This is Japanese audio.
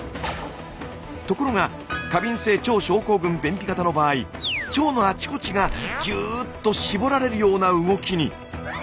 ところが過敏性腸症候群便秘型の場合腸のあちこちがギューッとしぼられるような動きに。